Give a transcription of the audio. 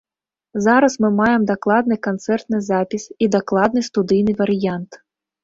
Зараз мы маем дакладны канцэртны запіс і дакладны студыйны варыянт.